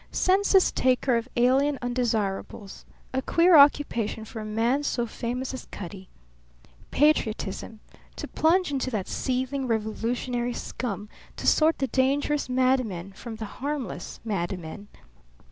Census taker of alien undesirables; a queer occupation for a man so famous as Cutty. Patriotism to plunge into that seething revolutionary scum to sort the dangerous madmen from the harmless mad men.